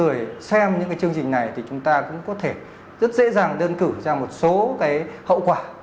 dù do cho những người xem những chương trình này thì chúng ta cũng có thể rất dễ dàng đơn cử ra một số hậu quả